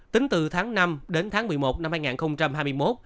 tính từ tháng năm đến tháng một mươi một năm hai nghìn hai mươi một